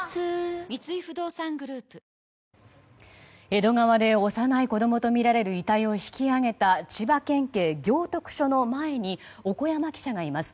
江戸川で幼い子供とみられる遺体を引き揚げた千葉県警行徳署の前に小古山記者がいます。